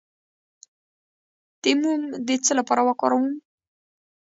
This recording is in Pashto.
د موم د څه لپاره وکاروم؟